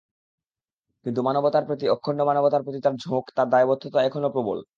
কিন্তু মানবতার প্রতি, অখণ্ড মানবাত্মার প্রতি তাঁর ঝোঁক, তাঁর দায়বদ্ধতা এখনো প্রবল।